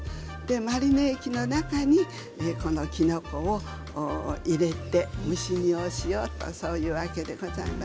マリネ液の中に、このきのこを入れて蒸し煮をしようとそういうわけでございます。